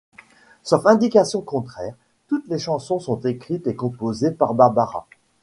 Sauf indications contraires, toutes les chansons sont écrites et composées par Barbara.